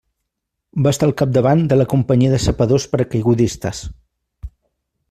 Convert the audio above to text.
Va estar al capdavant de la Companyia de Sapadors Paracaigudistes.